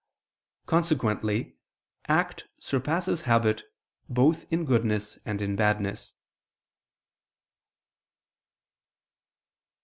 Consequently act surpasses habit both in goodness and in badness.